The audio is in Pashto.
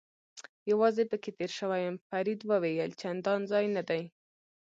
یوازې پکې تېر شوی یم، فرید وویل: چندان ځای نه دی.